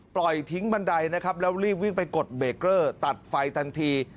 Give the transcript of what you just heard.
ปล่อยทิ้งบันไดนะครับแล้วรีบวิ่งไปกดเบรกเกอร์ตัดไฟทันที